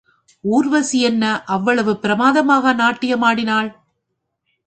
ஊர்வசி என்ன அவ்வளவு பிரமாதமாகவா நாட்டியமாடினாள்?